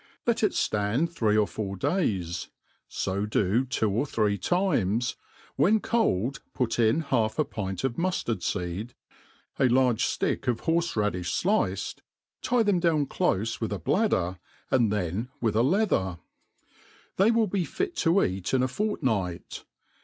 Let it (land three or four days, fo do two or three times; when ^old, put in half a pintof mi|ftard feed, a large ftick of horfe raddifh fliced, tie them down clofe with a bladder, and then with a leather. They will be fit to eat in a fortnight.